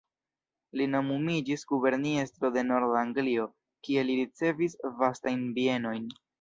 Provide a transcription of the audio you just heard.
Li nomumiĝis guberniestro de norda Anglio, kie li ricevis vastajn bienojn.